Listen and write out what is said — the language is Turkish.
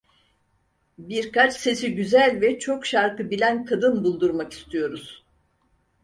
Birkaç sesi güzel ve çok şarkı bilen kadın buldurmak istiyoruz.